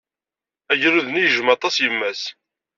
Agrud-nni yejjem aṭas yemma-s.